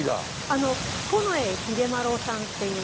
あの近衛秀麿さんっていう。